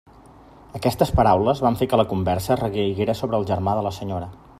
Aquestes paraules van fer que la conversa recaiguera sobre el germà de la senyora.